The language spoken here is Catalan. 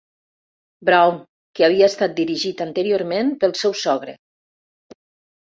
Brown, que havia estat dirigit anteriorment pel seu sogre.